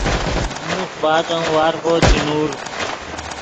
موخ بعد ام وارفو چے نوڑ